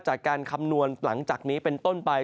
คำนวณหลังจากนี้เป็นต้นไป